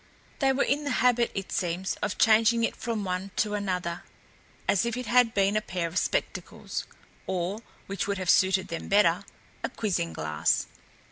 They were in the habit, it seems, of changing it from one to another, as if it had been a pair of spectacles, or which would have suited them better a quizzing glass.